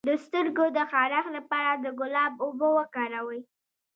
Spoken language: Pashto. د سترګو د خارښ لپاره د ګلاب اوبه وکاروئ